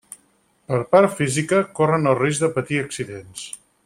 Per part física, corren el risc de patir accidents.